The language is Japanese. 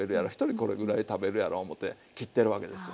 これぐらい食べるやろ思うて切ってるわけですわ。